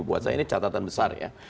buat saya ini catatan besar ya